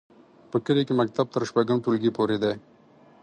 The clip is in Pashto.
په کلي کې مکتب تر شپږم ټولګي پورې دی.